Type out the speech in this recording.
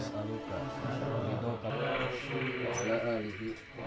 saya juga tidak pernah berhasil